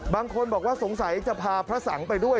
บางคนบอกว่าสงสัยจะพาพระสังไปด้วย